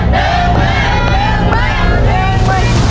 เท่าไหร่